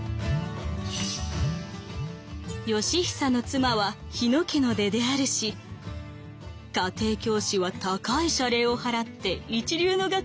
「義尚の妻は日野家の出であるし家庭教師は高い謝礼を払って一流の学者を呼んできた。